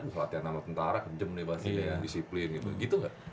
bayangin latihan sama tentara kejem nih mas disiplin gitu gak